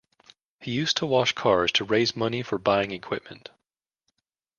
He used to wash cars to raise money for buying equipment.